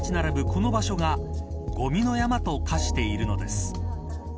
この場所が、ごみの山と化しているのです。